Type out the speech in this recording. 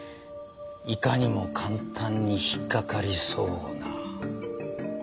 いかにも簡単に引っかかりそうな。